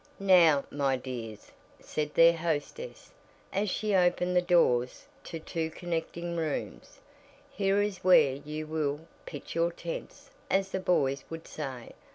"Now, my dears," said their hostess, as she opened the doors to two connecting rooms, "here is where you will 'pitch your tents' as the boys would say.